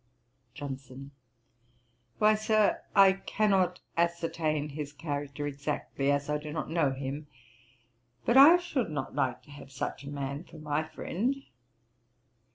JOHNSON. 'Why, Sir, I cannot ascertain his character exactly, as I do not know him; but I should not like to have such a man for my friend.